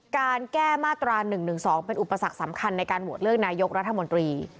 การแก้มาตรา๑๑๒เป็นอุปสรรคสำคัญในการโหวตเลือกนายกรัฐมนตรี